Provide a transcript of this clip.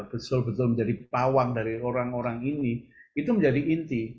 betul betul menjadi pawang dari orang orang ini itu menjadi inti